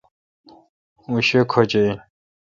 اوں شی کھوش این۔